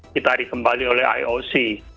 kita dikembali oleh ioc